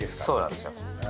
そうなんですよ。